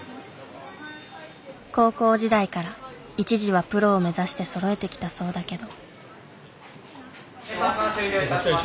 高校時代から一時はプロを目指してそろえてきたそうだけど。